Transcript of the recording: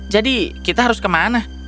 jadi kita harus ke mana